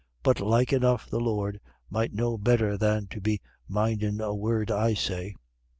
"But like enough the Lord might know better than to be mindin' a word I say."